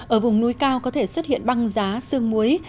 ở vùng núi cao có thể xuất hiện băng giá xương muối